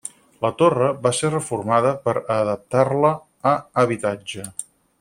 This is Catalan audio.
La torre va ser reformada per a adaptar-la a habitatge.